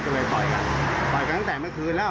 ก็เลยต่อยกันต่อยกันตั้งแต่เมื่อคืนแล้ว